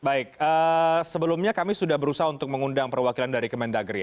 baik sebelumnya kami sudah berusaha untuk mengundang perwakilan dari kemendagri